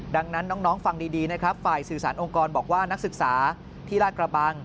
ดังนั้นน้องฟังดีนะครับฝ่ายสื่อสารองค์กรบอกว่านักศึกษาที่ลาดกระบัง